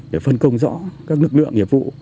để phân công rõ các lực lượng nghiệp vụ